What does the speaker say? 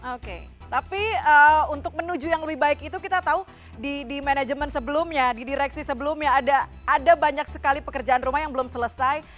oke tapi untuk menuju yang lebih baik itu kita tahu di manajemen sebelumnya di direksi sebelumnya ada banyak sekali pekerjaan rumah yang belum selesai